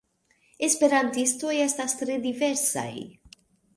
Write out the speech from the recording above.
Esperantistoj estas tre diversaj.